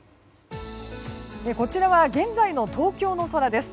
こちらは現在の東京の空です。